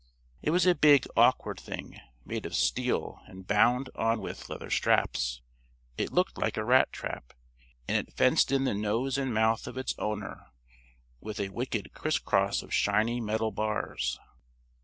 It was a big, awkward thing, made of steel, and bound on with leather straps. It looked like a rat trap. And it fenced in the nose and mouth of its owner with a wicked criss cross of shiny metal bars.